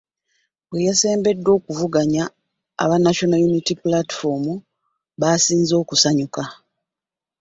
Bwe yasembeddwa okuvuganya aba National Unity Platform baasinze okusanyuka .